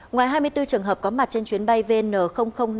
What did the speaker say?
ngoài hai mươi bốn trường hợp có mặt trên chuyến bay vn